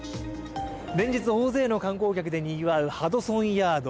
連日大勢の観光客でにぎわうハドソンヤード。